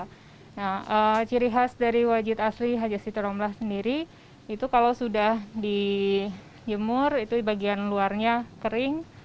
nah ciri khas dari wajit asli haja situr omlah sendiri itu kalau sudah dijemur itu bagian luarnya kering